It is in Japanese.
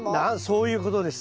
そういうことです。